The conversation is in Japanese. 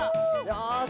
よし！